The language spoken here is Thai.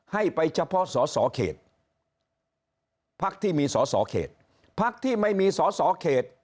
ให้ไปเฉพาะสอสอเขตพักที่มีสอสอเขตพักที่ไม่มีสอสอเขต